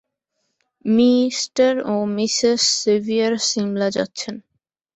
Me ও Mrs Saviour Shimla যাচ্ছেন।